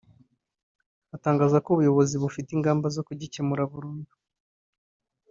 atangaza ko ubuyobozi bufite ingamba zo ku gikemura burundu